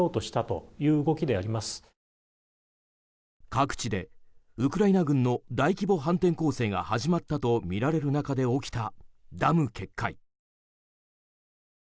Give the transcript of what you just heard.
各地でウクライナ軍の大規模反転攻勢が始まったとみられる中で起きたダム決壊。